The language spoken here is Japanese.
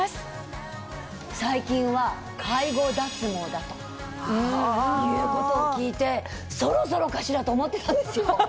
だということを聞いてそろそろかしらと思ってたんですよ。